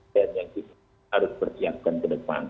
dan yang kita harus persiapkan ke depan